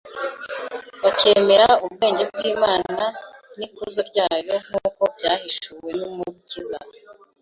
bakemera ubwenge bw’Imana n’ikuzo ryayo nk’uko byahishuwe n’Umukiza